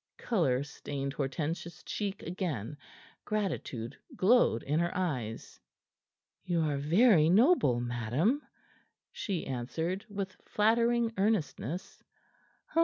Color stained Hortensia's cheek again; gratitude glowed in her eyes. "You are very noble, madam," she answered with flattering earnestness.